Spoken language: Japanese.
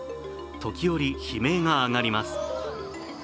時折、悲鳴が上がります。